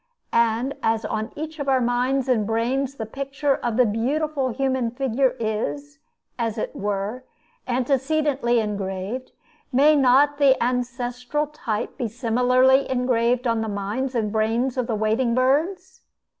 And as on each of our minds and brains the picture of the beautiful human figure is, as it were, antecedently engraved, may not the ancestral type be similarly engraved on the minds and brains of the wading birds?